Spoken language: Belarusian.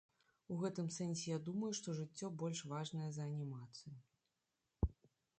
У гэтым сэнсе я думаю, што жыццё больш важнае за анімацыю.